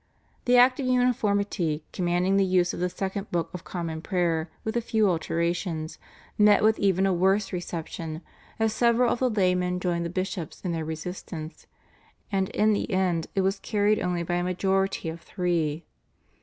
The Act of Uniformity, commanding the use of the Second Book of Common Prayer with a few alterations, met with even a worse reception, as several of the laymen joined the bishops in their resistance, and in the end it was carried only by a majority of three.